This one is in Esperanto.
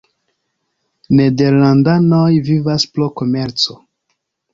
Nederlandanoj vivas pro komerco.